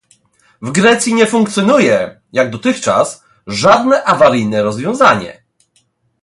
W Grecji nie funkcjonuje, jak dotychczas, żadne awaryjne rozwiązanie